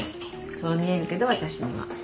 そう見えるけど私には。